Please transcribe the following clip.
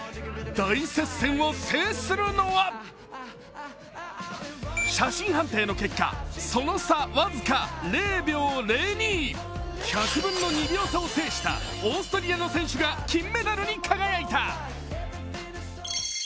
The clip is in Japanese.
大接戦を制するのは写真判定の結果、その差、僅か０秒０２、１００分の２秒差を制したオーストリアの選手が金メダルに輝いた。